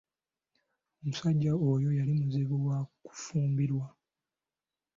Omusajja oyo yali muzibu wa kufumbirwa.